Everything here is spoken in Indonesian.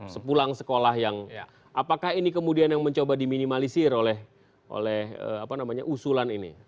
sepulang sekolah yang apakah ini kemudian yang mencoba diminimalisir oleh usulan ini